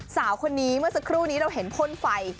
สาวคนนี้เมื่อสักครู่นี้เราเห็นพ่นไฟ